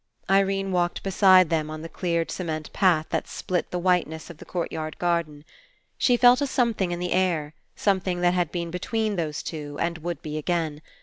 Irene walked beside them on the cleared cement path that split the whiteness of the courtyard garden. She felt a something In the air, something that had been between those two and would be again.